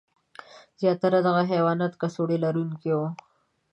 زیاتره دغه حیوانات کڅوړه لرونکي وو.